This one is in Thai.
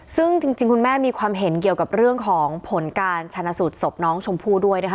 ซึ่งจริงคุณแม่มีความเห็นเกี่ยวกับเรื่องของผลการชนะสูตรศพน้องชมพู่ด้วยนะคะ